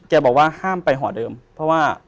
บอกว่าห้ามไปหอเดิมเพราะว่า